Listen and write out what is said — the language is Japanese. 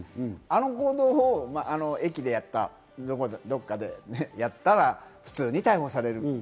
あの行動を駅でやったら、どこかでやったら普通に逮捕される。